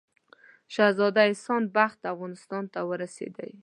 شهزاده احسان بخت افغانستان ته ورسېدی.